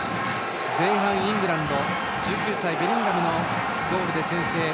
前半イングランド１９歳、ベリンガムイングランドのゴールで先制。